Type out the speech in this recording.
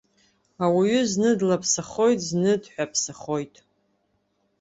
Ауаҩы зны длаԥсахоит, зынгьы дҳәаԥсахоит.